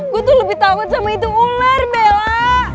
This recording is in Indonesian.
gue tuh lebih takut sama itu ular mela